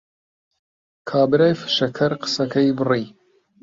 کابرای فشەکەر قسەکەی بڕی